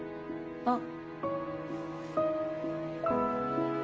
あっ。